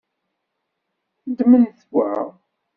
Ddmemt wa.